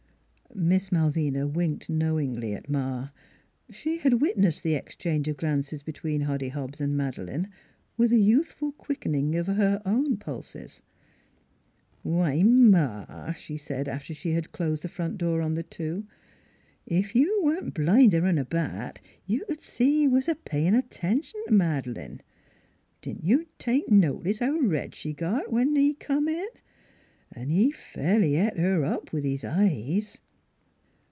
Miss Malvina winked knowingly at Ma. She had witnessed the exchange of glances between Hoddy Hobbs and Madeleine, with a youthful quickening of her own pulses. " Why, Ma," she said, after she had closed the front door on the two, " ef you wa'n't blinder 'n a bat you c'd see he's a payin' attention t' Mad' lane. Didn't you take notice how red she got when he come in? An' he fairly 'et her up with his eyes."